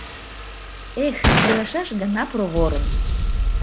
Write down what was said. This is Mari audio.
Эх, илышаш гына проворын!